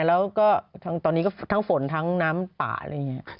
แล้วก็ตอนนี้ก็ทั้งฝนทั้งน้ำป่าอะไรอย่างนี้